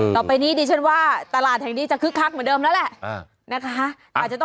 ต่อไปนี้เลยชันว่าตลาดแห่งนี้จะคึกคักเหมือนเดิมแล้ว